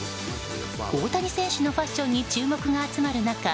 大谷選手のファッションに注目が集まる中